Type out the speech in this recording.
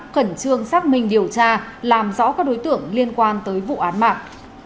khẩn trương xác minh điều tra làm rõ các đối tượng liên quan tới vụ án mạng